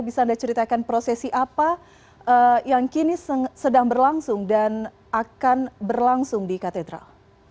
bisa anda ceritakan prosesi apa yang kini sedang berlangsung dan akan berlangsung di katedral